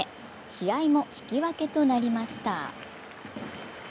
試合も引き分けとなりました。